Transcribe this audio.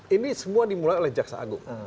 ini semua dimulai oleh jaksa agung